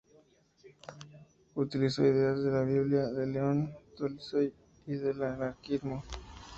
Utilizó ideas de la biblia, de León Tolstói y del anarquismo.